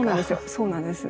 そうなんですよ。